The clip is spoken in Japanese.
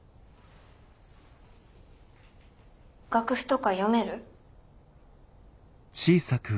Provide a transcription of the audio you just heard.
楽譜とか読める？